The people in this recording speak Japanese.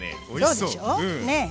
そうでしょ？ねえ。